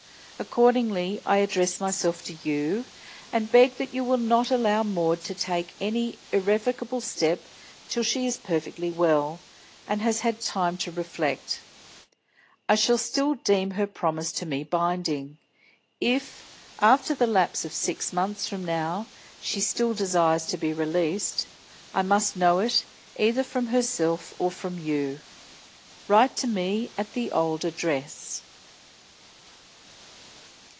Accordingly I address myself to you, and beg that you will not allow Maud to take any irrevocable step till she is perfectly well, and has had time to reflect. I shall still deem her promise to me binding. If after the lapse of six months from now she still desires to be released, I must know it, either from herself or from you. Write to me at the old address."